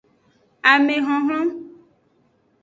Ahonhlon.